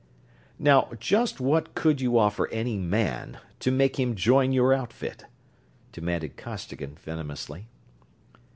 "Now just what could you offer any man to make him join your outfit?" demanded Costigan, venomously.